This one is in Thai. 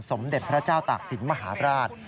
สมเด็จพระเจ้าตากศิลป์มหาบราช